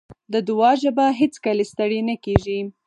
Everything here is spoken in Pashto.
د دعا ژبه هېڅکله ستړې نه کېږي.